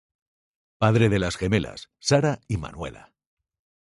Padre de las gemelas, Sara y Manuela.